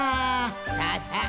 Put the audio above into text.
さあさあ